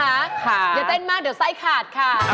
อย่าเต้นมากเดี๋ยวไส้ขาดค่ะ